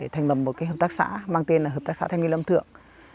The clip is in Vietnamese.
thành lập một cái hợp tác xã mang tên là hợp tác xã thanh niên lâm thượng